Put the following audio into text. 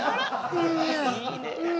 いいね。